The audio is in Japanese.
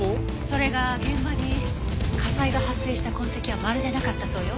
それが現場に火災が発生した痕跡はまるでなかったそうよ。